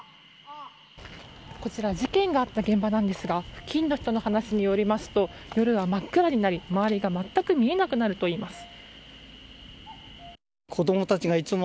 事件があった現場なんですが付近の人の話によりますと夜は真っ暗になり、周りが全く見えなくなるといいます。